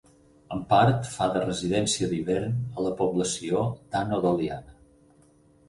En part fa de residència d'hivern a la població d'Ano Doliana.